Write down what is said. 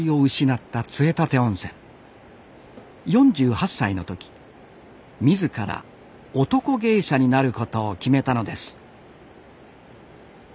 ４８歳の時自ら男芸者になることを決めたのです